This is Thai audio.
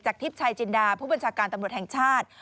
จากทิพย์ชัยจินราพวงศาลการตำรวจแห่งชาติ